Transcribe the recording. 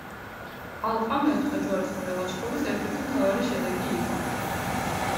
ალყა მეოთხე ჯვაროსნული ლაშქრობის ერთ-ერთი მთავარი შედეგი იყო.